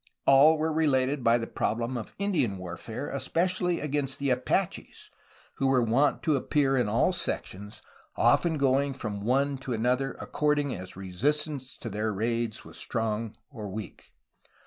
All were related by the problem of Indian warfare, especially against the Apaches, who were wont to appear in all sections, often going from one to another according as resistance to their raids was strong or weak.